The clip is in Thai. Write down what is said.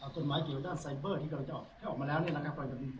กฎหมายเกี่ยวกับด้านไซเบอร์ที่กำลังจะออก